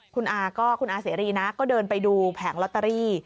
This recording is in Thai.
คุณอาก็คุณอาเสรีนะก็เดินไปดูแผงลอตเตอรี่